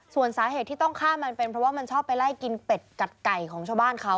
ส่วนสาเหตุที่ต้องฆ่ามันเป็นเพราะว่ามันชอบไปไล่กินเป็ดกัดไก่ของชาวบ้านเขา